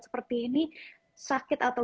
seperti ini sakit atau